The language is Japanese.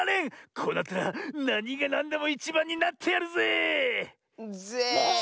こうなったらなにがなんでもいちばんになってやるぜ。ぜ！